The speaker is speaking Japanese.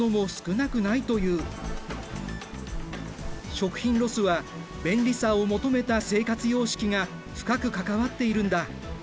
食品ロスは便利さを求めた生活様式が深く関わっているんだ。